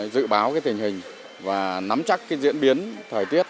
dự báo tình hình và nắm chắc diễn biến thời tiết